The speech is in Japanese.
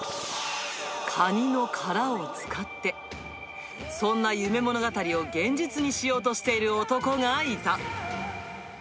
カニの殻を使って、そんな夢物語を現実にしようとしている男がいた。